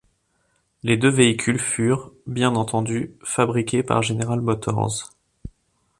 Les deux véhicules furent, bien entendu, fabriqués par General Motors.